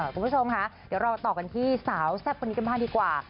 คุณผู้ชมค่ะเดี๋ยวเราต่อกันที่สาวแซ่บคนนี้กันบ้างดีกว่า